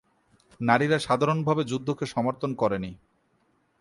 নারীরা সাধারণভাবে যুদ্ধকে সমর্থন করেনি।